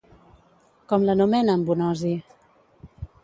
Com l'anomena en Bonosi?